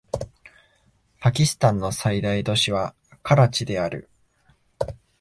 パキスタンの最大都市はカラチである